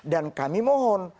dan kami mohon